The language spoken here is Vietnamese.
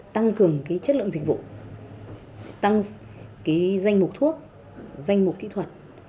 tăng cường cái chất lượng dịch vụ tăng cái danh mục thuốc danh mục kỹ thuật